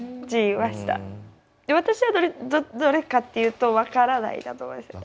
私はどれかっていうと「分からない」だと思いますね。